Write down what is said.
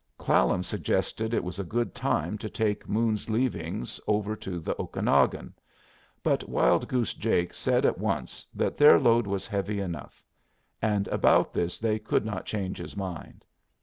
Clallam suggested it was a good time to take Moon's leavings over to the Okanagon, but Wild Goose Jake said at once that their load was heavy enough; and about this they could not change his mind.